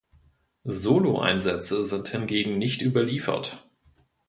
Solo-Einsätze sind hingegen nicht überliefert.